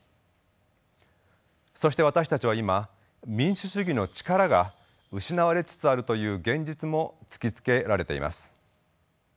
そして私たちは今民主主義の力が失われつつあるという現実も突きつけられています。